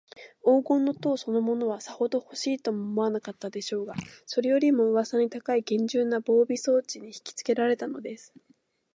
黄金の塔そのものは、さほどほしいとも思わなかったでしょうが、それよりも、うわさに高いげんじゅうな防備装置にひきつけられたのです。